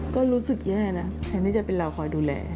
ก็รู้สึกแย่นะแทนที่จะเป็นเราคอยดูแล